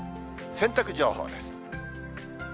洗濯情報です。